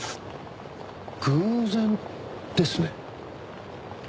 偶然ですね。